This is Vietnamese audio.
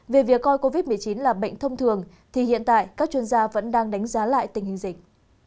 về việc coi covid một mươi chín là bệnh thông thường thì hiện tại các chuyên gia vẫn đang đánh giá lại tình hình dịch